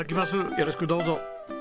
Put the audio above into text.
よろしくどうぞ！